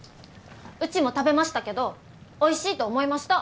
うちも食べましたけどおいしいと思いました。